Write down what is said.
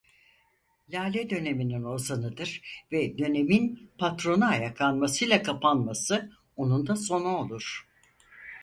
Lale döneminin ozanıdır ve dönemin Patrona Ayaklanmasıyla kapanması onun da sonu olur.